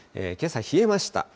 けさ、冷えました。